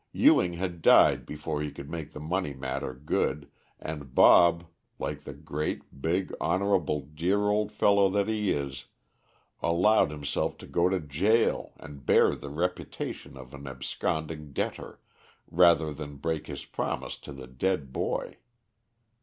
Ewing had died before he could make the money matter good, and Bob, like the great, big, honorable, dear old fellow that he is, allowed himself to go to jail and bear the reputation of an absconding debtor, rather than break his promise to the dead boy.